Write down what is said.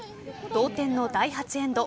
同点の第８エンド。